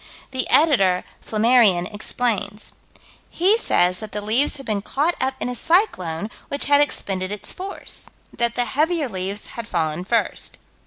The Editor (Flammarion) explains. He says that the leaves had been caught up in a cyclone which had expended its force; that the heavier leaves had fallen first.